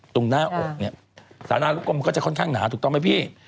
ตรงหน้าอกเนี่ยสาราลูกกรมมันก็จะค่อนข้างหนาถูกต้องไหมพี่